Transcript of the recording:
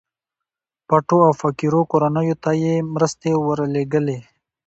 پټو او فقيرو کورنيو ته يې مرستې ورلېږلې.